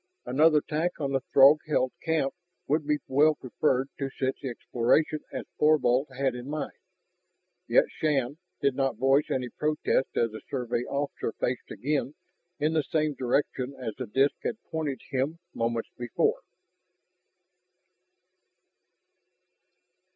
Another attack on the Throg held camp could be well preferred to such exploration as Thorvald had in mind. Yet Shann did not voice any protest as the Survey officer faced again in the same direction as the disk had pointed him moments before.